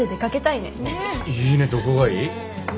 いいねどこがいい？